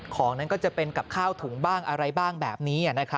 ของนั้นก็จะเป็นกับข้าวถุงบ้างอะไรบ้างแบบนี้